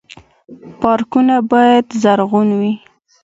پارکونه باید زرغون وي